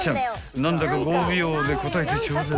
［何だか５秒で答えてちょうだい］